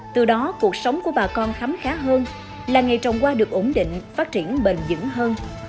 từ đó cuộc sống của bà con khám khá hơn làng nghề trồng hoa được ổn định phát triển bền dững hơn